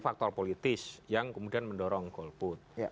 faktor politis yang kemudian mendorong gold boot